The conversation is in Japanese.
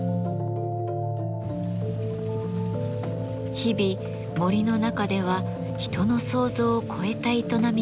日々森の中では人の想像を超えた営みがあるといいます。